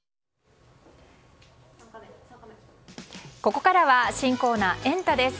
ここからは新コーナーエンタ！です。